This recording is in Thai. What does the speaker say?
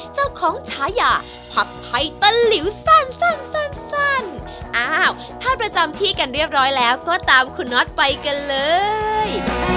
ฉายาผัดไทยตะหลิวสั้นสั้นอ้าวถ้าประจำที่กันเรียบร้อยแล้วก็ตามคุณน็อตไปกันเลย